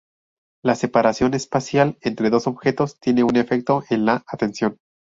La separación espacial entre dos objetos tiene un efecto en la atención.